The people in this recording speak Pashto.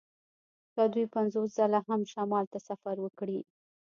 که دوی پنځوس ځله هم شمال ته سفر وکړي